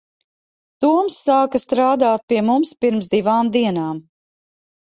Toms sāka strādāt pie mums pirms divām dienām.